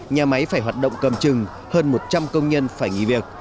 nhà máy phải hoạt động cầm chừng hơn một trăm linh công nhân phải nghỉ việc